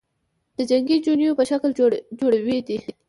د جنگې چوڼیو په شکل جوړي دي،